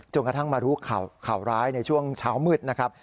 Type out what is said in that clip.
กระทั่งมารู้ข่าวร้ายในช่วงเช้ามืดนะครับ